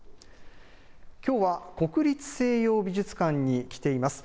きょうは国立西洋美術館に来ています。